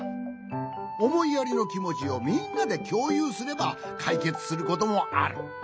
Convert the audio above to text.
おもいやりのきもちをみんなできょうゆうすればかいけつすることもある。